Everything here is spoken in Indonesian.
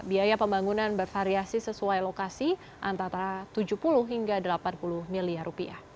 biaya pembangunan bervariasi sesuai lokasi antara rp tujuh puluh hingga rp delapan puluh miliar